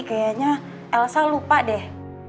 kayaknya elsa lupa deh